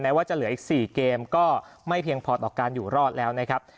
ว่าจะเหลืออีก๔เกมก็ไม่เพียงพอต่อการอยู่รอดแล้วนะครับ